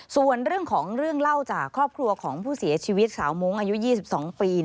ส่วนเรื่องของเรื่องเล่าจากครอบครัวของผู้เสียชีวิตสาวมงค์อายุ๒๒ปี